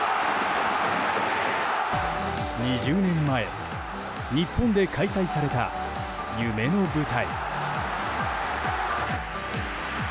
２０年前日本で開催された夢の舞台。